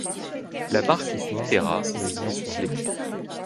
La marque Hytera finance l'équipe.